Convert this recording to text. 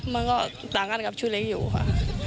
มันก็ต่างกันกับชุดเล็กอยู่ค่ะ